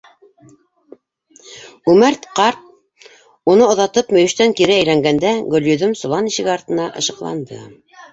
Үмәр ҡарт уны оҙатып мөйөштән кире әйләнгәндә, Гөлйөҙөм солан ишеге артына ышыҡланды.